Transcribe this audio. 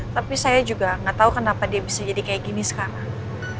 tapi saya juga nggak tahu kenapa dia bisa jadi kayak gini sekarang